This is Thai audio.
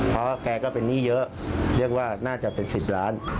เพราะแกก็เป็นหนี้เยอะเรียกว่าน่าจะเป็น๑๐ล้าน